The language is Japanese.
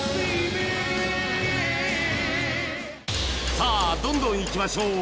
さあどんどんいきましょう